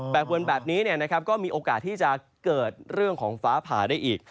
ปวนแบบนี้ก็มีโอกาสที่จะเกิดเรื่องของฟ้าผ่าได้อีก